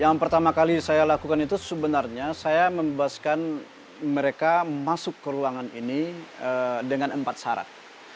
yang pertama kali saya lakukan itu sebenarnya saya membebaskan mereka masuk ke ruangan ini dengan empat syarat